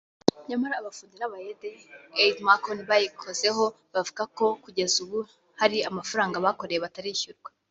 nyamara abafundi n’abayede (aide macon) bayikozeho bavuga ko kugeza ubu hari amafaranga bakoreye batarishyurwa